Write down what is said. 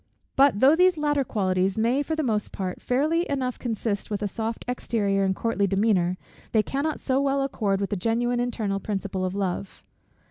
But though these latter qualities may, for the most part, fairly enough consist with a soft exterior and courtly demeanor, they cannot so well accord with the genuine internal principle of love.